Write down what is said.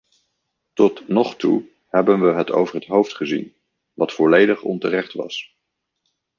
Tot nog toe hebben we het over het hoofd gezien, wat volledig onterecht was.